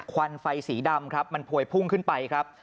ควันไฟสีดำครับมันพวยพุ่งขึ้นไปครับ